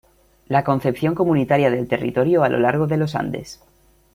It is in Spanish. la concepción comunitaria del territorio a lo largo de los Andes